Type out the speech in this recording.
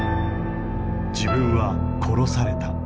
自分は殺された。